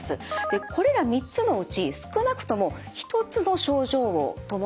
これら３つのうち少なくとも一つの症状を伴います。